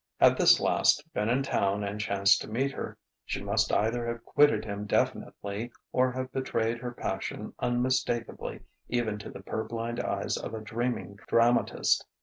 Had this last been in town and chanced to meet her, she must either have quitted him definitely or have betrayed her passion unmistakably even to the purblind eyes of a dreaming dramatist.